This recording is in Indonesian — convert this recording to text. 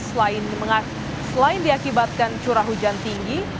selain diakibatkan curah hujan tinggi